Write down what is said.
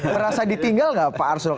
merasa ditinggal nggak pak arsul